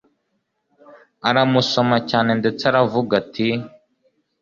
aramusoma cyane ndetse aravuga ati